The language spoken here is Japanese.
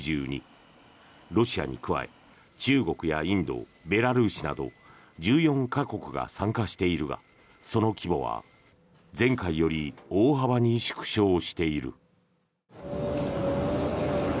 ロシアに加え、中国やインドベラルーシなど１４か国が参加しているがその規模は前回より大幅に縮小している。